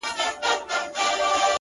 • زه قلندر یم په یوه قبله باور لرمه,